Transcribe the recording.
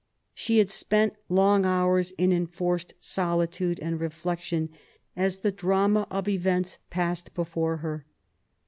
She had spent long hours in enforced solitude and reflection as the drama of events passed before her.